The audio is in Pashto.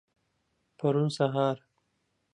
پرون سهار.